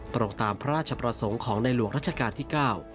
ตรงตามพระราชประสงค์ของในหลวงรัชกาลที่๙